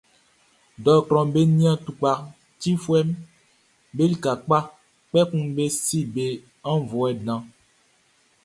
Dɔɔtrɔʼm be nian tukpacifuɛʼm be lika kpa, kpɛkun be si be aunnvuɛ dan.